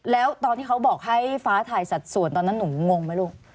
แล้วตอนที่เขาบอกให้ฟ้าถ่ายสัดส่วนตอนนั้นหนูงงไหมลูก